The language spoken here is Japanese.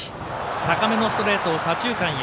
高めのストレートを左中間へ。